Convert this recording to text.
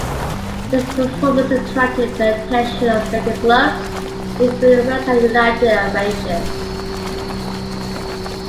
This performance attracted the attention of bigger clubs, including West Ham United and Rangers.